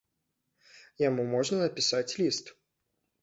Яму можна напісаць ліст.